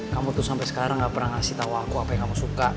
kamu tuh sampai sekarang gak pernah ngasih tahu aku apa yang kamu suka